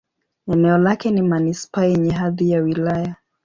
Eneo lake ni manisipaa yenye hadhi ya wilaya.